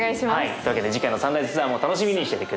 というわけで次回の「サンライズツアー」も楽しみにしてて下さい。